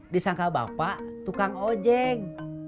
disangka bapak tukang ojek